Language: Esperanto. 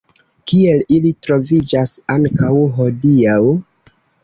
Kiel ili troviĝas ankaŭ hodiaŭ.